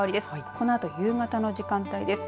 このあと夕方の時間帯です。